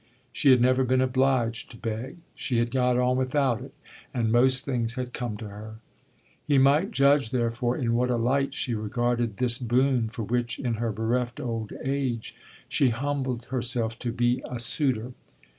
She had never been obliged to beg; she had got on without it and most things had come to her. He might judge therefore in what a light she regarded this boon for which in her bereft old age she humbled herself to be a suitor.